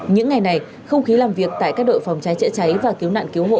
những ngày này không khí làm việc tại các đội phòng cháy chữa cháy và cứu nạn cứu hộ